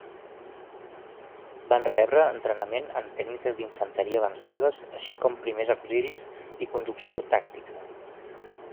Van rebre entrenament en tècniques d'infanteria avançades així com primers auxilis i conducció tàctica.